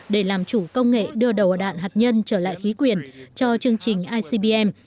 để làm chủ công nghệ đưa đầu đạn hạt nhân trở lại khí quyền cho chương trình icbm